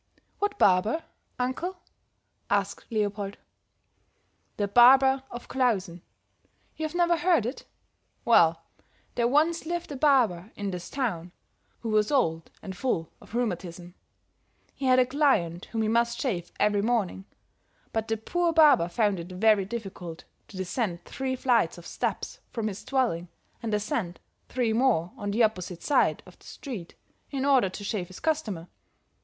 "What barber, uncle?" asked Leopold. "The barber of Klausen. You've never heard it? Well, there once lived a barber in this town who was old and full of rheumatism; he had a client whom he must shave every morning; but the poor barber found it very difficult to descend three flights of steps from his dwelling and ascend three more on the opposite side of the street, in order to shave his customer.